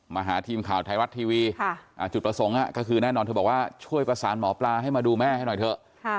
หาทีมข่าวไทยรัฐทีวีจุดประสงค์ก็คือแน่นอนเธอบอกว่าช่วยประสานหมอปลาให้มาดูแม่ให้หน่อยเถอะ